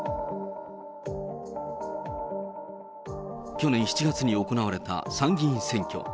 去年７月に行われた参議院選挙。